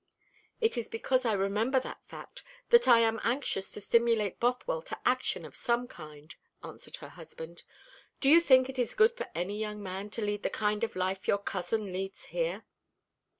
"It is because I remember that fact that I am anxious to stimulate Bothwell to action of some kind," answered her husband. "Do you think it is good for any young man to lead the kind of life your cousin leads here?"